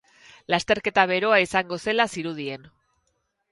Lasterketa beroa izango zela zirudien.